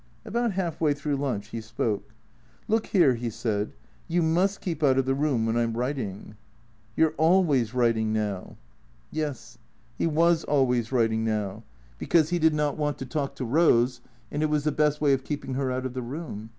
About half way through lunch he spoke. " Look here," he said, " you must keep out of the room when I 'm writing." " You 're always writing now." Yes. He was always writing now; because he did not want THECEEATORS 129 to talk to Eose and it was the best way of keeping her out of the room.